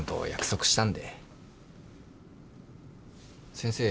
先生